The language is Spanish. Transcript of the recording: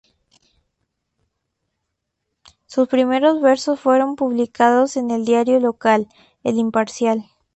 Sus primeros versos fueron publicados en el diario local, "El Imparcial".